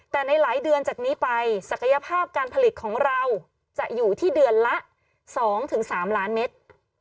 แต่ในหลายเดือนจากนี้ไปศักยภาพการผลิตของเราจะอยู่ที่เดือนละ๒๓ล้านเมตร